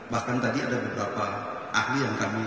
bahkan tadi ada beberapa ahli yang kami